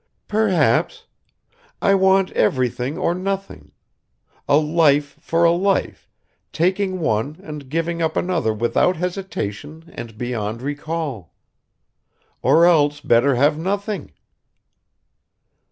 "Perhaps. I want everything or nothing. A life for a life, taking one and giving up another without hesitation and beyond recall. Or else better have nothing!"